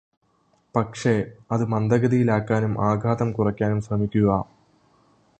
പക്ഷേ അത് മന്ദഗതിയിലാക്കാനും ആഘാതം കുറയ്ക്കാനും ശ്രമിക്കുക.